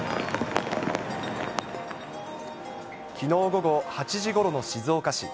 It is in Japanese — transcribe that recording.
きのう午後８時ごろの静岡市。